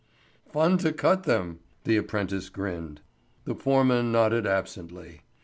"Fun to cut them," the apprentice grinned. The foreman nodded absently.